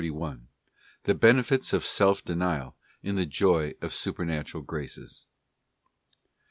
The benefits of self denial in the Joy of Supernatural graces.